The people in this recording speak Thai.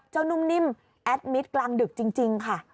นุ่มนิ่มแอดมิตรกลางดึกจริงค่ะ